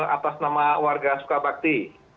atas nama warga sukabakti